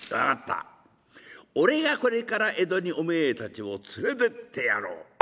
俺がこれから江戸におめえたちを連れてってやろう」。